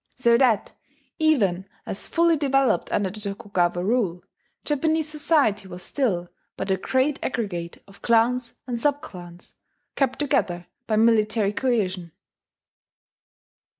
So that, even as fully developed under the Tokugawa rule, Japanese society was still but a great aggregate of clans and subclans, kept together by military coercion.